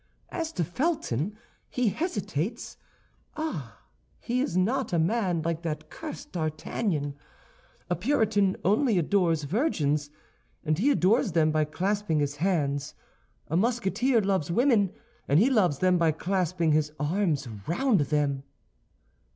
As to Felton, he hesitates. Ah, he is not a man like that cursed D'Artagnan. A Puritan only adores virgins, and he adores them by clasping his hands. A Musketeer loves women, and he loves them by clasping his arms round them."